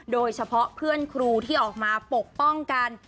โดยเฉพาะเพื่อนครูที่ออกมาปกป้องกัน